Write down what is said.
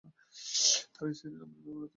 তার স্ত্রীর নামের ব্যাপারেও বিভিন্ন মত পাওয়া যায়।